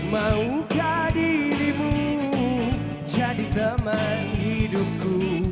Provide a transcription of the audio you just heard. maukah dirimu jadi teman hidupku